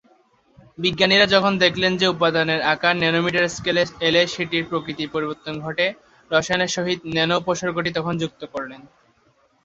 বিজ্ঞানীরা যখন দেখলেন যে উপাদানের আকার ন্যানোমিটার স্কেলে এলে সেটির প্রকৃতির পরিবর্তন ঘটে, রসায়ন এর সহিত ন্যানো-উপসর্গটি তখন যুক্ত করলেন।